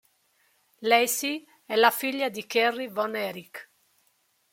Lacey è la figlia di Kerry Von Erich.